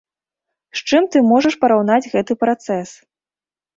З чым ты можаш параўнаць гэты працэс?